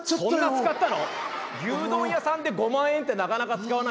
牛丼屋さんで５万円ってなかなか使わないよ。